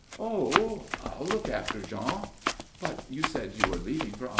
"Oh, I'll look after Jean." "But you said you were leaving for Avignon to day."